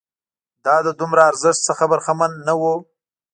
دا له دومره ارزښت څخه برخمن نه وو